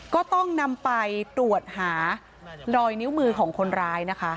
ก็ต้องนำไปตรวจหารอยนิ้วมือของคนร้ายนะคะ